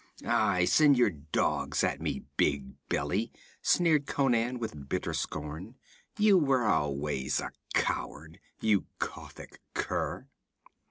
'Aye, send your dogs at me, big belly,' sneered Conan with bitter scorn. 'You were always a coward, you Kothic cur.'